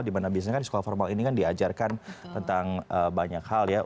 dimana biasanya kan sekolah formal ini kan diajarkan tentang banyak hal ya